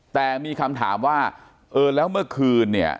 แต่มีคำถามว่าเออแล้วเมื่อคืนเนี่ย